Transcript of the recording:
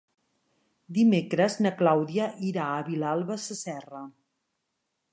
Dimecres na Clàudia irà a Vilalba Sasserra.